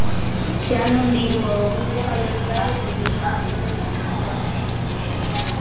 Xa non digo ao grupo maioritario, porque iso xa sei que non o fan.